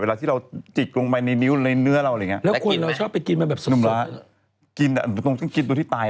เวลาที่เรากุ้งไปจิกใบพรึกเนื้อเราอะไรอย่างเงี้ย